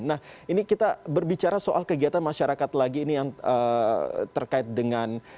nah ini kita berbicara soal kegiatan masyarakat lagi ini yang terkait dengan